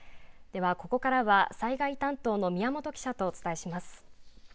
では、ここからは災害担当の宮本記者とお伝えします。